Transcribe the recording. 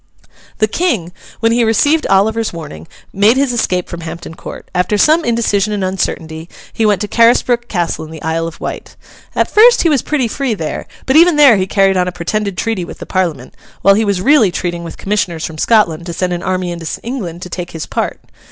The King, when he received Oliver's warning, made his escape from Hampton Court; after some indecision and uncertainty, he went to Carisbrooke Castle in the Isle of Wight. At first, he was pretty free there; but, even there, he carried on a pretended treaty with the Parliament, while he was really treating with commissioners from Scotland to send an army into England to take his part.